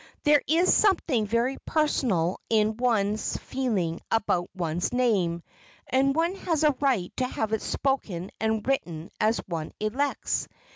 There is something very personal in one's feeling about one's name and one has a right to have it spoken and written as one elects.